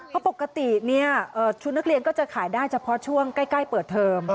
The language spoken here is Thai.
เพราะปกติชุดนักเรียนก็จะขายได้เฉพาะช่วงใกล้เปิดเทอม